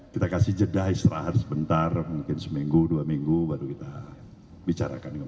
kita kasih jeda istirahat sebentar mungkin seminggu dua minggu baru kita bicarakan dengan